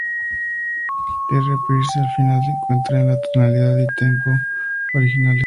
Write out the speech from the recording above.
El "reprise" final se encuentra en la tonalidad y "tempo" originales.